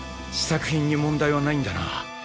試作品に問題はないんだな。